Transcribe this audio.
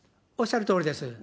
おっしゃるとおりです。